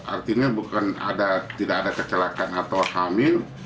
artinya bukan tidak ada kecelakaan atau hamil